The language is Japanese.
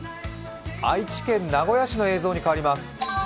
愛知県名古屋市の映像に変わります。